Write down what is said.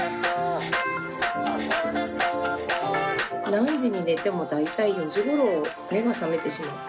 何時に寝ても大体４時ごろ目が覚めてしまって。